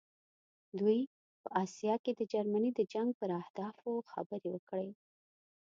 دوی په آسیا کې د جرمني د جنګ پر اهدافو خبرې وکړې.